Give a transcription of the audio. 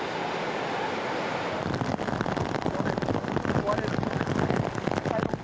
壊れる。